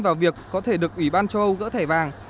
vào việc có thể được ủy ban châu âu gỡ thẻ vàng